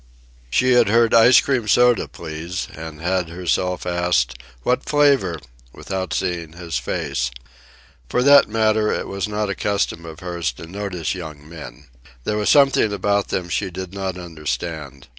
She had heard, "Ice cream soda, please," and had herself asked, "What flavor?" without seeing his face. For that matter, it was not a custom of hers to notice young men. There was something about them she did not understand.